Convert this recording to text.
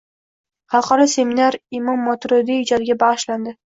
Xalqaro seminar Imom Moturudiy ijodiga bagʻishlandi